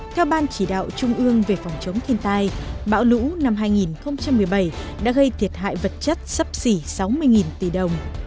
theo ban chỉ đạo trung ương về phòng chống thiên tai bão lũ năm hai nghìn một mươi bảy đã gây thiệt hại vật chất sấp xỉ sáu mươi tỷ đồng